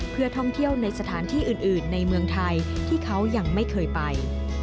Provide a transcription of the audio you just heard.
เพื่อท่องเที่ยวในสถานที่อื่นในเมืองไทยที่เขายังไม่เคยไป